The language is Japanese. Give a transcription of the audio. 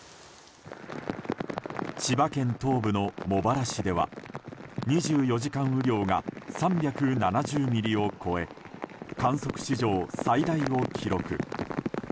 千葉県東部の茂原市では２４時間雨量が３７０ミリを超え観測史上最大の記録。